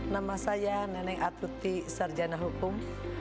nama saya neneng atuti sarjana hukum